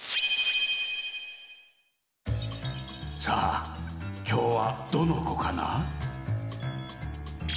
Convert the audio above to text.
さあきょうはどのこかな？